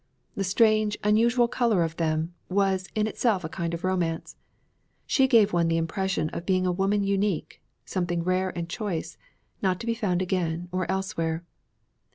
The strange, unusual color of them was in itself a kind of romance. She gave one the impression of being a woman unique; something rare and choice, not to be found again or elsewhere.